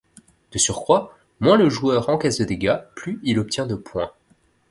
De surcroît, moins le joueur encaisse de dégâts, plus il obtient de points.